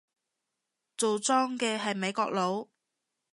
做莊嘅係美國佬